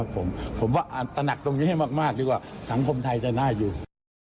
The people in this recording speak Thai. ผมว่าตระหนักตรงนี้ให้มากดีกว่าสังคมไทยจะน่าอยู่